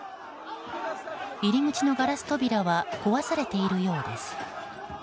入り口のガラス扉は壊されているようです。